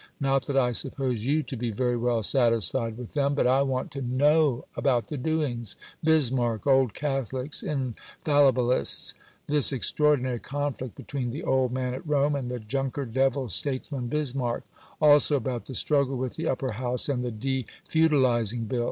Not that I suppose you to be very well satisfied with them, but I want to know about the doings Bismarck, Old Catholics, Infallibilists this extraordinary conflict between the old man at Rome and the Junker Devil statesman, Bismarck; also about the struggle with the Upper House and the de feudalizing Bill.